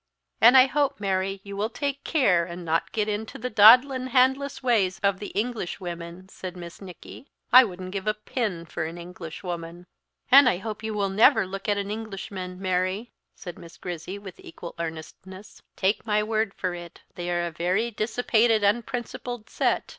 "And I hope, Mary, you will take care and not get into the daadlin' handless ways of the English women," said Miss Nicky; "I wouldn't give a pin for an Englishwoman." "And I hope you will never look at an Englishman, Mary," said Miss Grizzy, with equal earnestness; "take my word for it they are a very dissipated, unprincipled set.